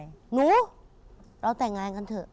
หนูเราแต่งงานกันเถอะ